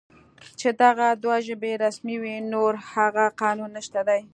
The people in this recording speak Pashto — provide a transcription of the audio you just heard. چې دغه دوه ژبې رسمي وې، نور هغه قانون نشته دی